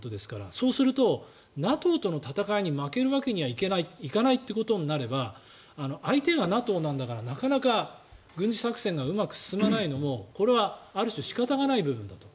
そうするとＮＡＴＯとの戦いに負けるわけにはいかないとなれば相手がＮＡＴＯなんだからなかなか軍事作戦がうまく進まないのもある程度仕方がない部分だと。